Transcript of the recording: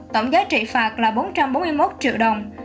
tổng giá trị phạt là bốn trăm bốn mươi một triệu đồng